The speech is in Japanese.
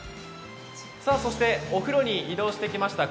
そしてお風呂に移動してきました。